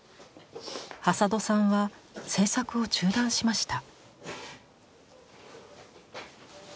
挾土さんは制作を中断しました。